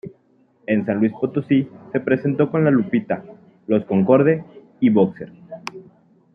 En San Luis Potosí se presentó con La Lupita, Los Concorde y Boxer.